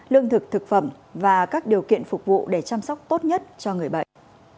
lương thực thực phẩm và các điều kiện phục vụ để chăm sóc tốt nhất cho người bệnh